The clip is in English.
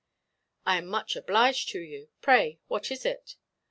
"I am much obliged to you. Pray, what is it?"